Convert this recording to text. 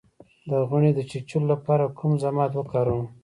د غڼې د چیچلو لپاره کوم ضماد وکاروم؟